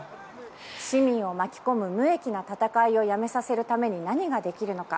市民を巻き込む無益な戦いをやめさせるために何ができるのか。